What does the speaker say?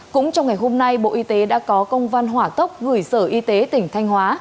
cũng trong ngày hôm nay bộ y tế đã có công văn hỏa tốc gửi sở y tế tỉnh thanh hóa